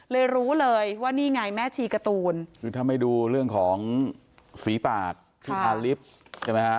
รู้เลยว่านี่ไงแม่ชีการ์ตูนคือถ้าไม่ดูเรื่องของสีปากที่ทาลิฟต์ใช่ไหมฮะ